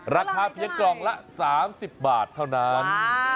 ราคาเพียงกล่องละ๓๐บาทเท่านั้น